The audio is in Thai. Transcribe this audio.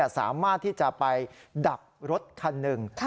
สามารถที่จะไปดักรถคันหนึ่ง